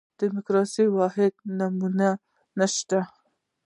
دیموکراسي واحده نمونه نه شته.